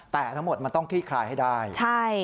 แต่ทั้งหมดมันต้องคลี่คลายให้ได้ใช่